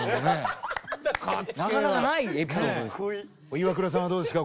イワクラさんはどうですか？